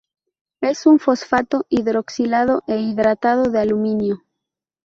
Es un fosfato hidroxilado e hidratado de aluminio.